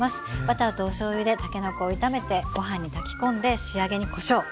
バターとおしょうゆでたけのこを炒めてご飯に炊き込んで仕上げにこしょう！